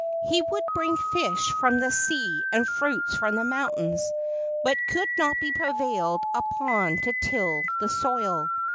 He would bring fish from the sea and fruits from the mountains, but could not be prevailed upon to till the soil.